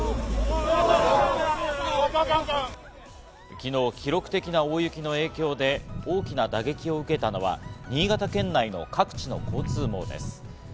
昨日、記録的な大雪の影響で大きな打撃を受けたのは新潟県内の各地の交通網です。